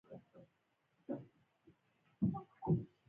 هغه په خپلو خبرو کې د هېواد د اوبو سرچینو د مدیریت یادونه وکړه.